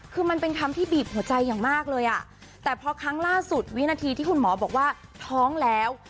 คือมันเป็นคำที่บีบหัวใจอย่างมากเลยอ่ะแต่พอครั้งล่าสุดวินาทีที่คุณหมอบอกว่าท้องแล้ว